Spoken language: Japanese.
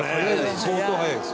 伊達：相当速いです。